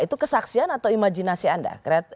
itu kesaksian atau imajinasi anda